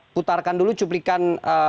putarkan dulu cuplikan